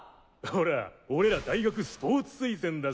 ほら俺ら大学スポーツ推薦だ